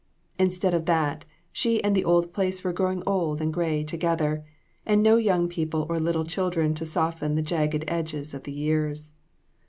Instead of that, she and the old place were growing old and gray together, and no young people or little children to soften the jag ged edges of years.